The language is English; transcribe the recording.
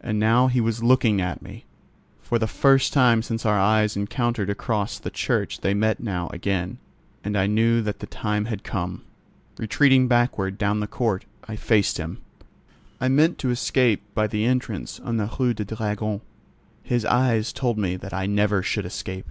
And now he was looking at me. For the first time since our eyes encountered across the church they met now again, and I knew that the time had come. Retreating backward, down the court, I faced him. I meant to escape by the entrance on the Rue du Dragon. His eyes told me that I never should escape.